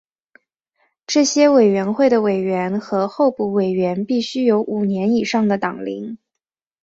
这些委员会的委员和候补委员必须有五年以上的党龄。